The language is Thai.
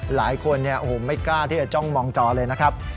หลายคนไม่กล้าที่จะจ้องมองจอเลยนะครับ